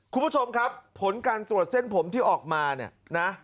คุณผู้ชมครับผลการตรวจเส้นผมที่ออกมาเนี่ยนะ